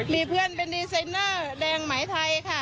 มีเพื่อนเป็นดีไซเนอร์แดงหมายไทยค่ะ